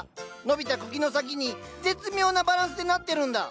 伸びた茎の先に絶妙なバランスでなってるんだ。